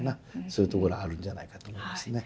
そういうところあるんじゃないかと思いますね。